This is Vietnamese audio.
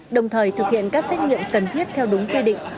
đồng thời thực hiện các xét nghiệm cần thiết theo đúng quy định